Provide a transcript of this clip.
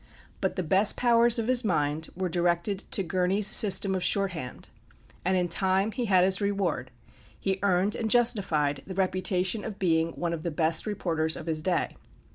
But the best powers of his mind were directed to "Gurney's system of shorthand." And in time he had his reward. He earned and justified the reputation of being one of the best reporters of his day.